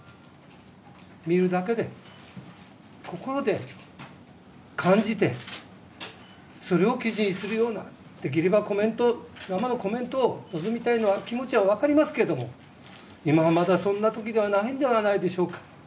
見るだけで、心で感じて、それを記事にするような、できればコメント、生のコメントを望みたいのは、気持ちは分かりますけれども、今はまだそんなときではないんではないでしょうか。